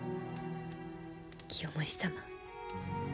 清盛様